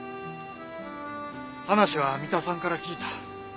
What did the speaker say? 話は三田さんから聞いた。